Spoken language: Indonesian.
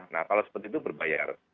nah kalau seperti itu berbayar